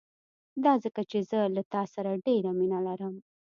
دا ځکه چې زه له تا سره ډېره مينه لرم.